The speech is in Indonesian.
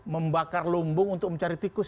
membakar lumbung untuk mencari tikus